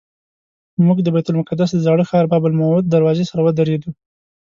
موږ د بیت المقدس د زاړه ښار باب العمود دروازې سره ودرېدو.